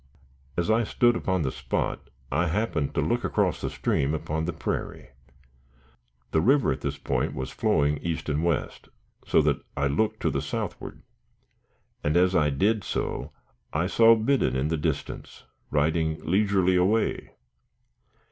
As I stood upon the spot, I happened to look across the stream upon the prairie. The river at this point was flowing east and west, so that I looked to the southward; and as I did so I saw Biddon in the distance, riding leisurely away.